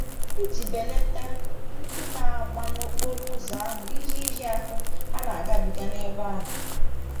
iji belatara ndị na-agba n'okporoụzọ ahụ ihe nhịaahụ ha na-agabiga n'ebe ahụ.